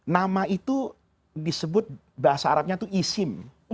nama itu disebut bahasa arabnya itu isim